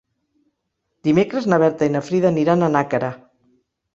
Dimecres na Berta i na Frida aniran a Nàquera.